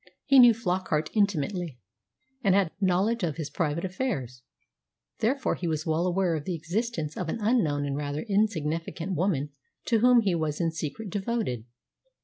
He knew Flockart intimately, and had knowledge of his private affairs; therefore he was well aware of the existence of an unknown and rather insignificant woman to whom he was in secret devoted.